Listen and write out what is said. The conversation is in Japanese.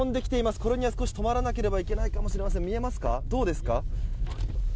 これには少し止まらなければいけないかもしれません。